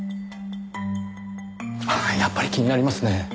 ああやっぱり気になりますね。